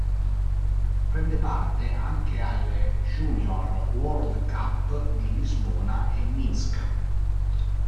Prende parte anche alle junior World Cup di Lisbona e Minsk.